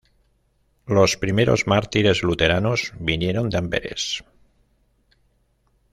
Los primeros mártires luteranos vinieron de Amberes.